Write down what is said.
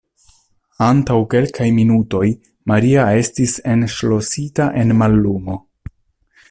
Antaŭ kelkaj minutoj, Maria estis enŝlosita en mallumo.